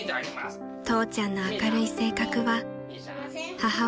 ［父ちゃんの明るい性格は母親譲り］